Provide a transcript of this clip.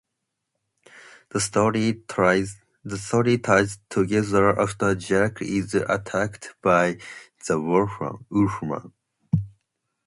The story ties together after Jack is attacked by the Wolfman.